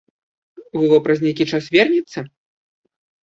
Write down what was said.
Вова праз нейкі час вернецца?